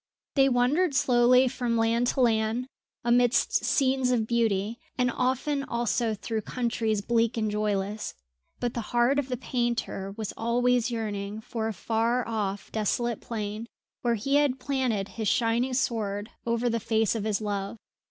They wandered slowly from land to land, amidst scenes of beauty, and often also through countries bleak and joyless; but the heart of the painter was always yearning for a far off desolate plain where he had planted his shining sword over the face of his love.